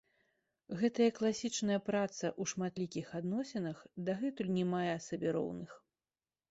Гэтая класічная праца ў шматлікіх адносінах дагэтуль не мае сабе роўных.